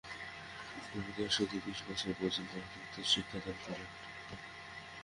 গুরু দশ হইতে বিশ বৎসর পর্যন্ত তাহাদিগকে শিক্ষাদান করেন।